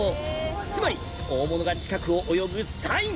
つまり大物が近くを泳ぐサイン